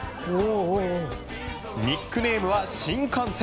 ニックネームは新幹線。